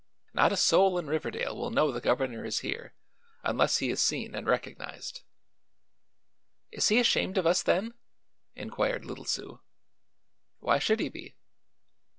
Not a soul in Riverdale will know the governor is here, unless he is seen and recognized." "Is he ashamed of us, then?" inquired little Sue. "Why should he be?"